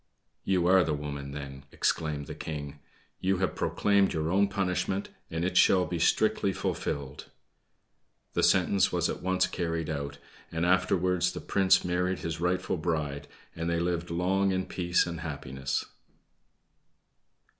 "You are the woman then!" exclaimed the King; "You have proclaimed your own punishment, and it shall be strictly fulfilled." The sentence was at once carried out, and afterwards the Prince married his rightful bride, and they lived long in peace and happiness.